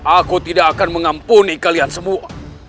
aku tidak akan mengampuni kalian semua